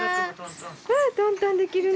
わあトントンできるね！